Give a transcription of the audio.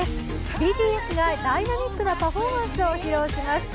ＢＴＳがダイナミックなパフォーマンスを披露しました。